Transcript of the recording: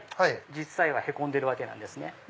実際へこんでるわけなんですね。